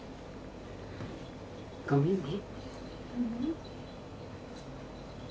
ごめんね。